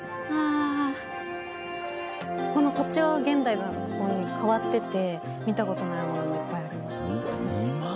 こっち側は現代画変わってて見たことないものもいっぱいありました。